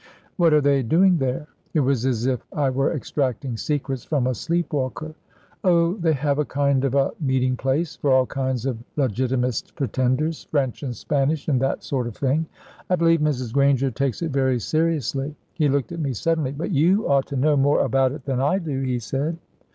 "What are they doing there?" It was as if I were extracting secrets from a sleep walker. "Oh, they have a kind of a meeting place, for all kinds of Legitimist pretenders French and Spanish, and that sort of thing. I believe Mrs. Granger takes it very seriously." He looked at me suddenly. "But you ought to know more about it than I do," he said.